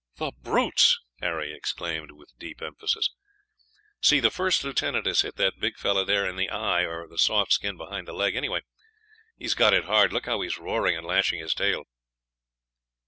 "The brutes!" Harry exclaimed, with deep emphasis. "See, the first lieutenant has hit that big fellow there in the eye or the soft skin behind the leg; anyhow, he has got it hard; look how he is roaring and lashing his tail."